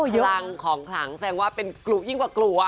ลังของขลังแสดงว่าเป็นกลัวยิ่งกว่ากลัว